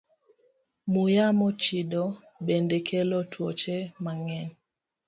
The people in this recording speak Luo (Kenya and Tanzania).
Muya mochido bende kelo tuoche mang'eny.